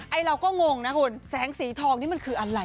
เราก็งงนะคุณแสงสีทองนี่มันคืออะไร